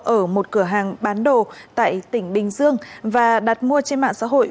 ở một cửa hàng bán đồ tại tỉnh bình dương và đặt mua trên mạng xã hội